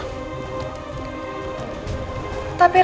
tapi ratu kidul belum menjawab pertanyaanku